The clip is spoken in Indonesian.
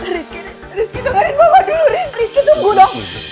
rizky dengerin mama dulu rizky tunggu dong